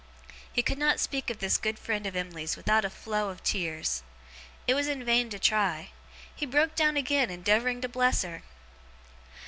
He could not speak of this good friend of Emily's without a flow of tears. It was in vain to try. He broke down again, endeavouring to bless her!